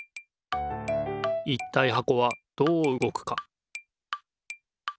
いったいはこはどううごくか？